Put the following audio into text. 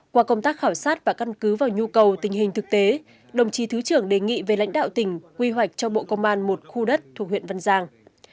qua công tác khảo sát và căn cứ vào nhu cầu tình hình thực tế đồng chí thứ trưởng đề nghị về lãnh đạo tỉnh quy hoạch cho bộ công an một khu đất thuộc huyện văn giang